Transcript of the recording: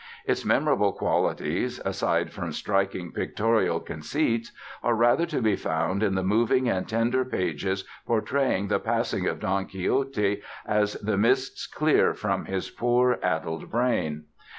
Its memorable qualities, aside from striking pictorial conceits, are rather to be found in the moving and tender pages portraying the passing of Don Quixote as the mists clear from his poor addled brain.